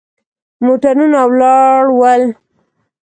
موټرونه ولاړ ول.